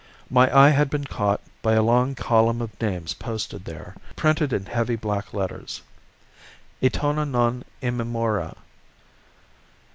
My eye had been caught by a long column of names posted there, printed in heavy black letters. 'Etona non, immemora'!